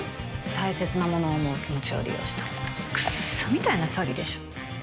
大切なものを思う気持ちを利用したクッソみたいな詐欺でしょ